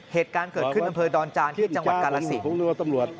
เหตุการณ์เกิดขึ้นอำเภอดอนจานที่จังหวัดกาลสิน